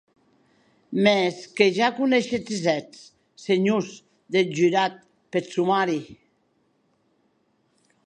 Mès que ja coneishetz es hèts, senhors deth jurat, peth somari.